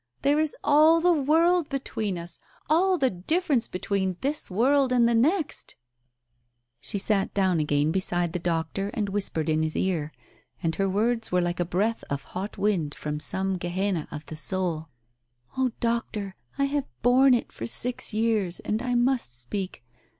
There is all the world between us !— all the difference between this world and the next I " She sat down again beside the doctor and whispered in his ear, and her words were like a breath of hot wind from some Gehenna of the soul. "Oh, Doctor, I have borne it for six years, and I must speak.